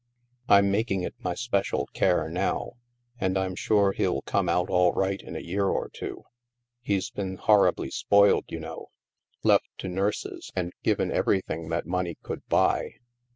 I'm making it my special care now, and I'm sure he'll come out all right in a year or two. He's been horribly spoiled, you know; left to THE MAELSTROM 223 nurses and given everything that money could buy.